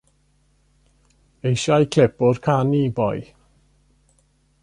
Eisiau clip o'r canu, boi.